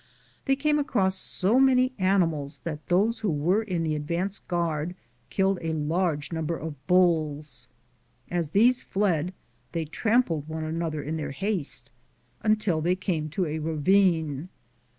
They came across so many ani mals that those who were on the advance guard killed a large number of bulls. As these fled they trampled one another in their haste until they came to a ravine.